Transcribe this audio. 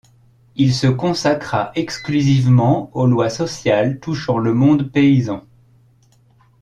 Il se consacra exclusivement aux lois sociales touchant le monde paysan.